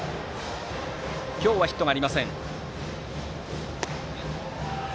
今日はヒットがありません。